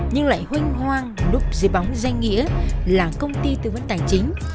nhưng lại hoanh hoang đúc dưới bóng danh nghĩa là công ty tư vấn tài chính